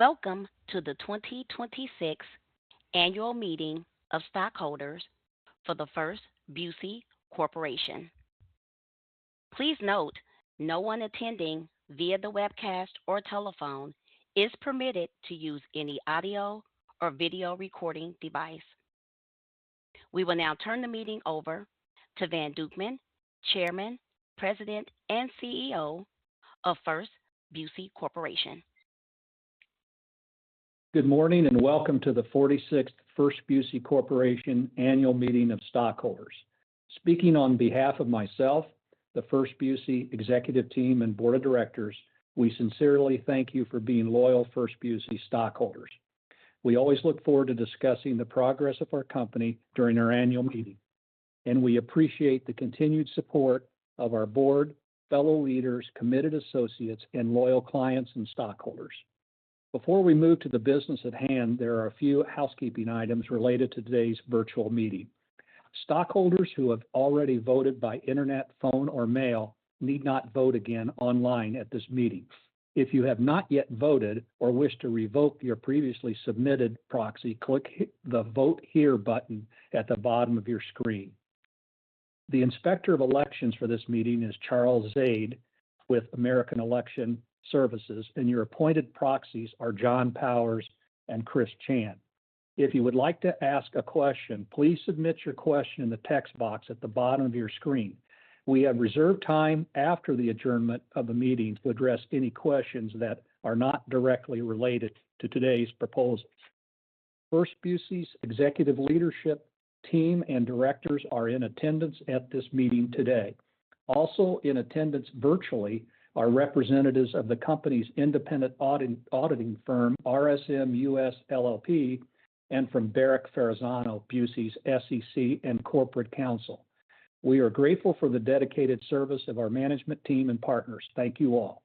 Welcome to the 2026 annual meeting of stockholders for the First Busey Corporation. Please note no one attending via the webcast or telephone is permitted to use any audio or video recording device. We will now turn the meeting over to Van Dukeman, Chairman, President, and CEO of First Busey Corporation. Good morning, and welcome to the 46th First Busey Corporation Annual Meeting of Stockholders. Speaking on behalf of myself, the First Busey executive team, and board of directors, we sincerely thank you for being loyal First Busey stockholders. We always look forward to discussing the progress of our company during our annual meeting, and we appreciate the continued support of our board, fellow leaders, committed associates, and loyal clients and stockholders. Before we move to the business at hand, there are a few housekeeping items related to today's virtual meeting. Stockholders who have already voted by internet, phone, or mail need not vote again online at this meeting. If you have not yet voted or wish to revoke your previously submitted proxy, click the Vote Here button at the bottom of your screen. The Inspector of Elections for this meeting is Charles Zaid with American Election Services, and your appointed proxies are John Powers and Chris Chan. If you would like to ask a question, please submit your question in the text box at the bottom of your screen. We have reserved time after the adjournment of the meeting to address any questions that are not directly related to today's proposals. First Busey's executive leadership team and directors are in attendance at this meeting today. Also in attendance virtually are representatives of the company's independent auditing firm, RSM US LLP, and from Barack Ferrazzano, Busey's SEC and corporate counsel. We are grateful for the dedicated service of our management team and partners. Thank you all.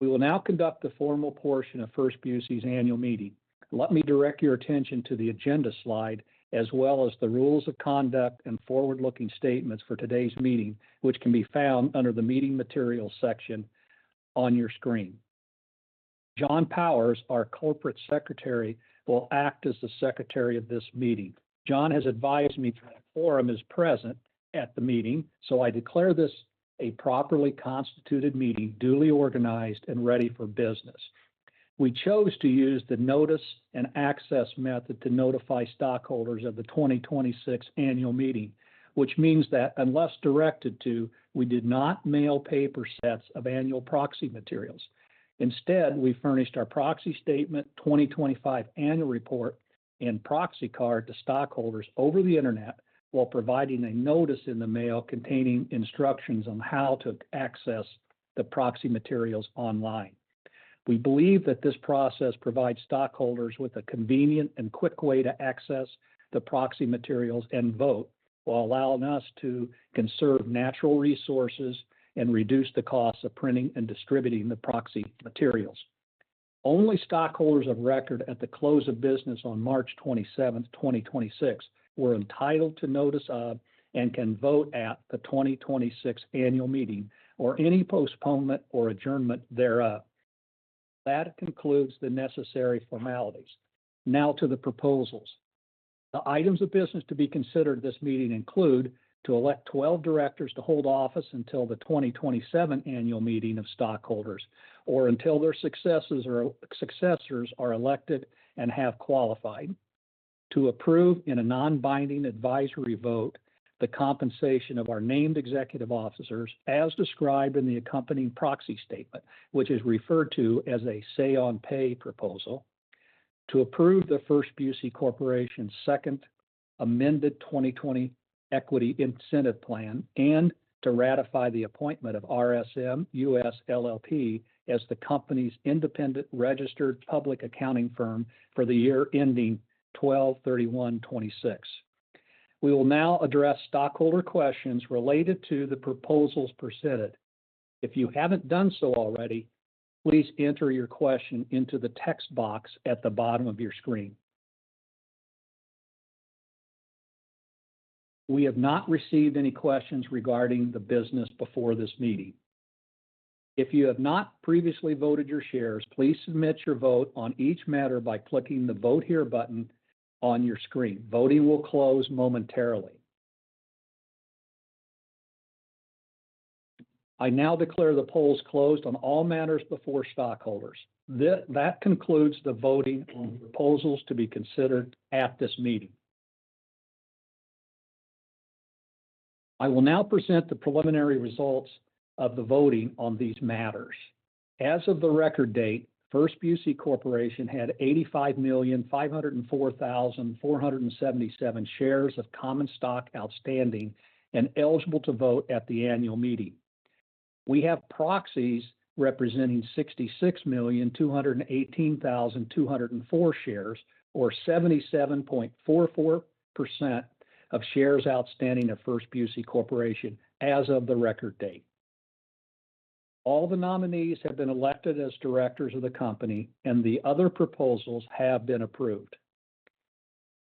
We will now conduct the formal portion of First Busey's annual meeting. Let me direct your attention to the agenda slide, as well as the rules of conduct and forward-looking statements for today's meeting, which can be found under the Meeting Materials section on your screen. John Powers, our corporate secretary, will act as the secretary of this meeting. John has advised me that a quorum is present at the meeting, so I declare this a properly constituted meeting, duly organized and ready for business. We chose to use the notice and access method to notify stockholders of the 2026 annual meeting, which means that unless directed to, we did not mail paper sets of annual proxy materials. Instead, we furnished our proxy statement, 2025 annual report, and proxy card to stockholders over the internet while providing a notice in the mail containing instructions on how to access the proxy materials online. We believe that this process provides stockholders with a convenient and quick way to access the proxy materials and vote while allowing us to conserve natural resources and reduce the cost of printing and distributing the proxy materials. Only stockholders of record at the close of business on March 27th, 2026 were entitled to notice of and can vote at the 2026 annual meeting or any postponement or adjournment thereof. That concludes the necessary formalities. Now to the proposals. The items of business to be considered at this meeting include to elect 12 directors to hold office until the 2027 annual meeting of stockholders, or until their successors are elected and have qualified, to approve in a non-binding advisory vote the compensation of our named executive officers as described in the accompanying proxy statement, which is referred to as a say-on-pay proposal, to approve the First Busey Corporation Second Amended 2020 Equity Incentive Plan, and to ratify the appointment of RSM US LLP as the company's independent registered public accounting firm for the year ending 12/31/2026. We will now address stockholder questions related to the proposals presented. If you haven't done so already, please enter your question into the text box at the bottom of your screen. We have not received any questions regarding the business before this meeting. If you have not previously voted your shares, please submit your vote on each matter by clicking the Vote Here button on your screen. Voting will close momentarily. I now declare the polls closed on all matters before stockholders. That concludes the voting on the proposals to be considered at this meeting. I will now present the preliminary results of the voting on these matters. As of the record date, First Busey Corporation had 85,504,477 shares of common stock outstanding and eligible to vote at the annual meeting. We have proxies representing 66,218,204 shares, or 77.44% of shares outstanding at First Busey Corporation as of the record date. All the nominees have been elected as directors of the company, and the other proposals have been approved.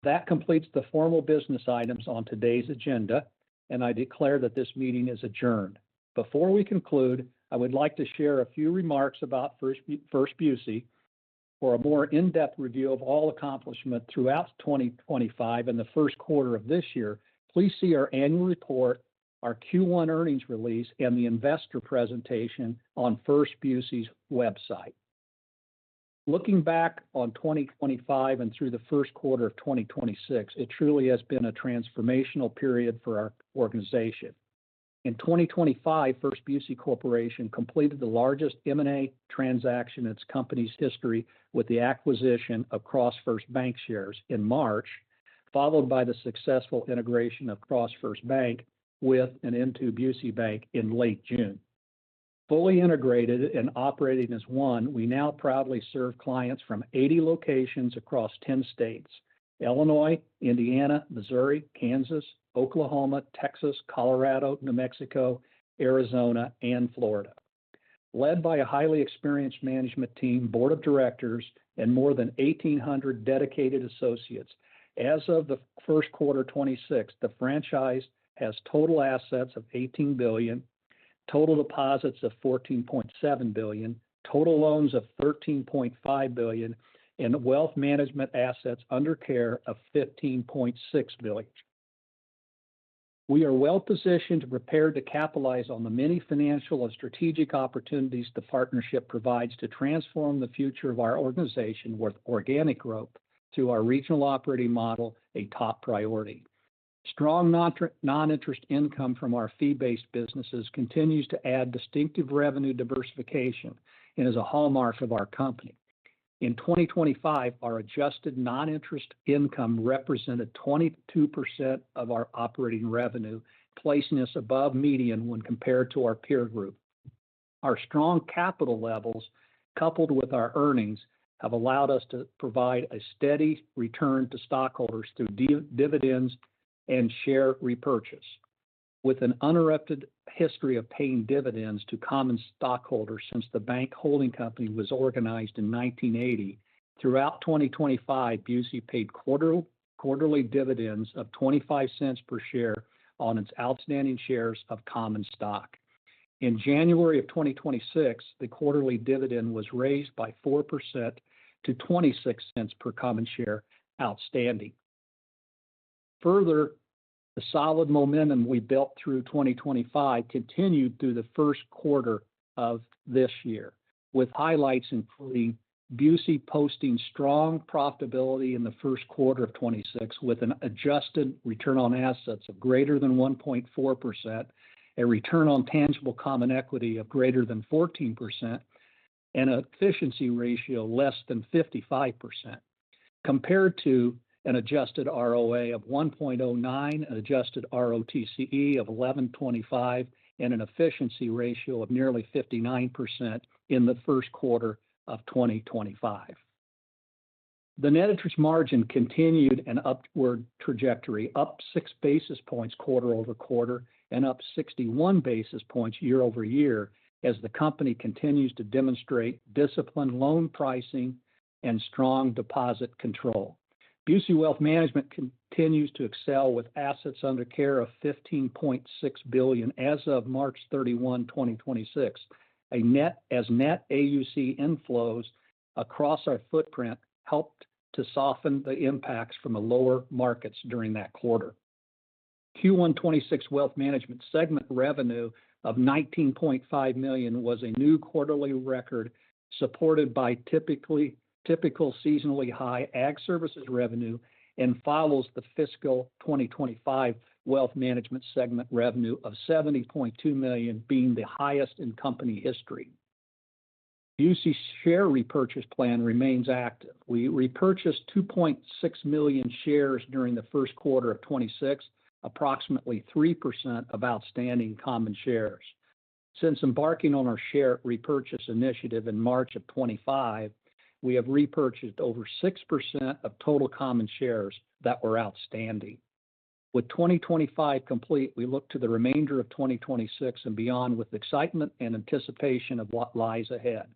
That completes the formal business items on today's agenda, and I declare that this meeting is adjourned. Before we conclude, I would like to share a few remarks about First Busey. For a more in-depth review of all accomplishment throughout 2025 and the first quarter of this year, please see our annual report, our Q1 earnings release, and the investor presentation on First Busey's website. Looking back on 2025 and through the first quarter of 2026, it truly has been a transformational period for our organization. In 2025, First Busey Corporation completed the largest M&A transaction in its company's history with the acquisition of CrossFirst Bankshares in March, followed by the successful integration of CrossFirst Bank with and into Busey Bank in late June. Fully integrated and operating as one, we now proudly serve clients from 80 locations across 10 states, Illinois, Indiana, Missouri, Kansas, Oklahoma, Texas, Colorado, New Mexico, Arizona, and Florida. Led by a highly experienced management team, board of directors, and more than 1,800 dedicated associates. As of the first quarter of 2026, the franchise has total assets of $18 billion, total deposits of $14.7 billion, total loans of $13.5 billion, and wealth management assets under care of $15.6 billion. We are well-positioned to prepare to capitalize on the many financial and strategic opportunities the partnership provides to transform the future of our organization with organic growth, to our regional operating model a top priority. Strong non-interest income from our fee-based businesses continues to add distinctive revenue diversification and is a hallmark of our company. In 2025, our adjusted non-interest income represented 22% of our operating revenue, placing us above median when compared to our peer group. Our strong capital levels, coupled with our earnings, have allowed us to provide a steady return to stockholders through dividends and share repurchase. With an uninterrupted history of paying dividends to common stockholders since the bank holding company was organized in 1980, throughout 2025, Busey paid quarterly dividends of $0.25 per share on its outstanding shares of common stock. In January of 2026, the quarterly dividend was raised by 4% to $0.26 per common share outstanding. Further, the solid momentum we built through 2025 continued through the first quarter of this year, with highlights including Busey posting strong profitability in the first quarter of 2026 with an adjusted return on assets of greater than 1.4%, a return on tangible common equity of greater than 14%, and an efficiency ratio less than 55%, compared to an adjusted ROA of 1.09%, an adjusted ROTCE of 11.25%, and an efficiency ratio of nearly 59% in the first quarter of 2025. The net interest margin continued an upward trajectory, up six basis points quarter-over-quarter and up 61 basis points year-over-year as the company continues to demonstrate disciplined loan pricing and strong deposit control. Busey Wealth Management continues to excel with assets under care of $15.6 billion as of March 31, 2026. Net AUC inflows across our footprint helped to soften the impacts from the lower markets during that quarter. Q1 2026 Wealth Management segment revenue of $19.5 million was a new quarterly record supported by typical seasonally high Ag Services revenue and follows the fiscal 2025 Wealth Management segment revenue of $70.2 million being the highest in company history. Busey share repurchase plan remains active. We repurchased 2.6 million shares during the first quarter of 2026, approximately 3% of outstanding common shares. Since embarking on our share repurchase initiative in March of 2025, we have repurchased over 6% of total common shares that were outstanding. With 2025 complete, we look to the remainder of 2026 and beyond with excitement and anticipation of what lies ahead.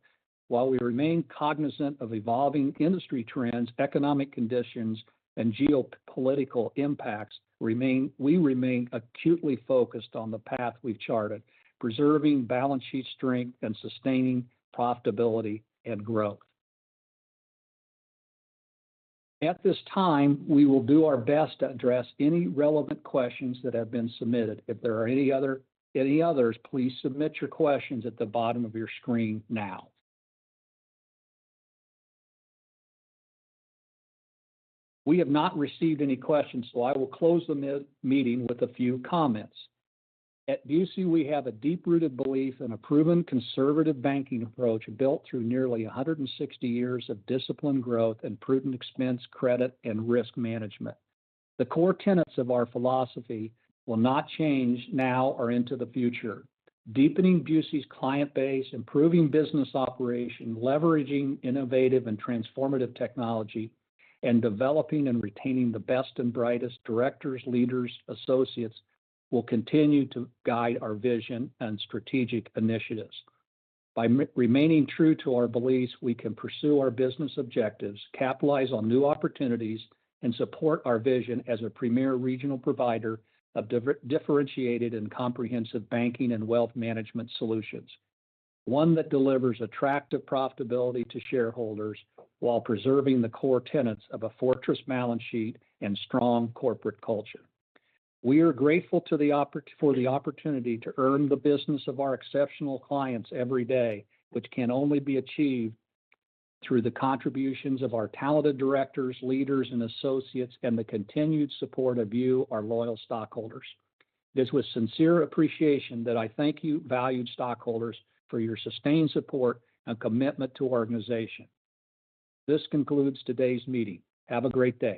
While we remain cognizant of evolving industry trends, economic conditions, and geopolitical impacts, we remain acutely focused on the path we've charted, preserving balance sheet strength and sustaining profitability and growth. At this time, we will do our best to address any relevant questions that have been submitted. If there are any others, please submit your questions at the bottom of your screen now. We have not received any questions, so I will close the meeting with a few comments. At Busey, we have a deep-rooted belief and a proven conservative banking approach built through nearly 160 years of disciplined growth and prudent expense credit and risk management. The core tenets of our philosophy will not change now or into the future. Deepening Busey's client base, improving business operation, leveraging innovative and transformative technology, and developing and retaining the best and brightest directors, leaders, associates will continue to guide our vision and strategic initiatives. By remaining true to our beliefs, we can pursue our business objectives, capitalize on new opportunities, and support our vision as a premier regional provider of differentiated and comprehensive banking and wealth management solutions, one that delivers attractive profitability to shareholders while preserving the core tenets of a fortress balance sheet and strong corporate culture. We are grateful for the opportunity to earn the business of our exceptional clients every day, which can only be achieved through the contributions of our talented directors, leaders, and associates, and the continued support of you, our loyal stockholders. It is with sincere appreciation that I thank you valued stockholders for your sustained support and commitment to our organization. This concludes today's meeting. Have a great day.